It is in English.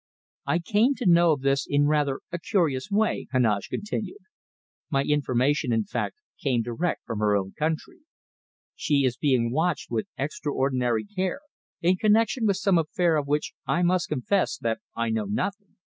"I came to know of this in rather a curious way," Heneage continued. "My information, in fact, came direct from her own country. She is being watched with extraordinary care, in connection with some affair of which I must confess that I know nothing.